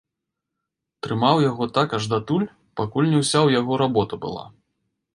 Трымаў яго так аж датуль, пакуль не ўся ў яго работа была.